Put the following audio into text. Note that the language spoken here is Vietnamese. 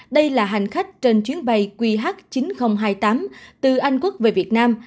đây là hành khách trên chuyến bay qh chín nghìn hai mươi tám từ anh quốc về việt nam